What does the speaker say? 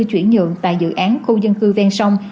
chuyển nhượng tại dự án khu dân cư ven sông